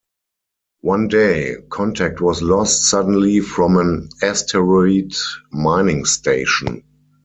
One day, contact was lost suddenly from an asteroid mining station.